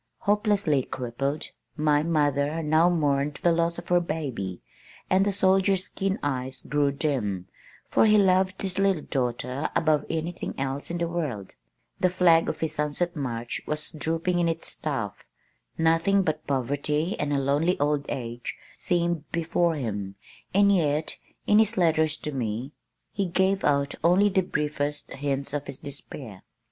Hopelessly crippled, my mother now mourned the loss of her "baby" and the soldier's keen eyes grew dim, for he loved this little daughter above anything else in the world. The flag of his sunset march was drooping on its staff. Nothing but poverty and a lonely old age seemed before him, and yet, in his letters to me, he gave out only the briefest hints of his despair.